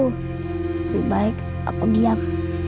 lebih baik aku diam